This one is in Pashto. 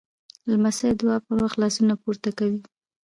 لمسی د دعا پر وخت لاسونه پورته کوي.